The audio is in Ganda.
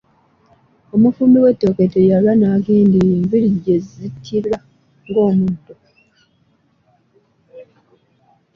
Omufumbi w'ettooke teyalwa n'agenda eyo enviiri gye zittira ng'omuddo.